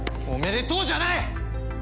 「おめでとう」じゃない！